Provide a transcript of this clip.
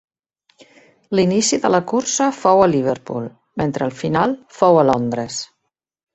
L'inici de la cursa fou a Liverpool, mentre el final fou a Londres.